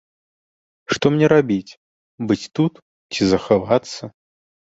Што мне рабіць, быць тут ці захавацца?